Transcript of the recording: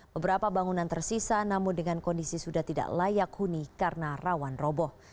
beberapa bangunan tersisa namun dengan kondisi sudah tidak layak huni karena rawan roboh